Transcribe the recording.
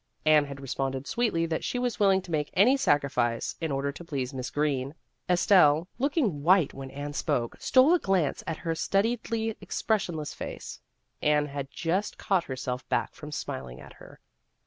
Anne had responded sweetly that she was will ing to make any sacrifice in order to please Miss Greene. Estelle, looking white when Anne spoke, stole a glance at her studiedly expressionless face ; Anne had just caught herself back from smiling at her.